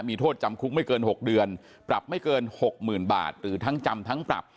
มีโทษจำคุกไม่เกิน๖เดือนปรับไม่เกิน๖๐๐๐บาทหรือทั้งจำทั้งปรับ